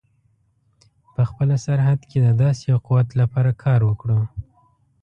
په خپله سرحد کې د داسې یوه قوت لپاره کار وکړو.